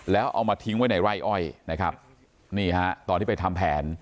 แล้วเอามาทิ้งไว้ในไร่อ้อยนะครับนี่ฮะตอนที่ไปทำแผน